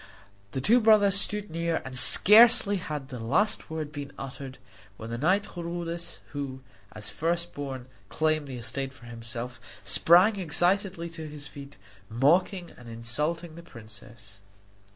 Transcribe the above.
The two brothers stood near, and scarcely had the last word been uttered when the knight Chrudis, who, as first born, claimed the estate for himself, sprang excitedly to his feet, mocking and insulting the princess.